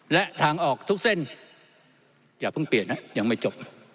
และทางออกทุกเส้นอย่าเพิ่งเปลี่ยนนะยังไม่จบ